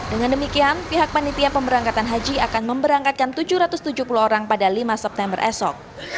dengan demikian pihak panitia pemberangkatan haji akan memberangkatkan tujuh ratus tujuh puluh orang pada lima september esok